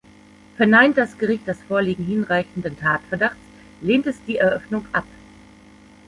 Verneint das Gericht das Vorliegen hinreichenden Tatverdachts, lehnt es die Eröffnung ab.